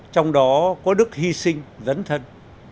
trong đó có đức hy sinh dấn thân